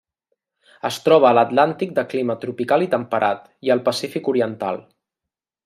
Es troba a l'Atlàntic de clima tropical i temperat, i el Pacífic oriental.